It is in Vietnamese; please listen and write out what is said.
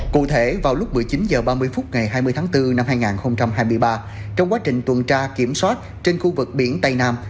cụ thể vào lúc một mươi chín h ba mươi phút ngày hai mươi tháng bốn năm hai nghìn hai mươi ba trong quá trình tuần tra kiểm soát trên khu vực biển tây nam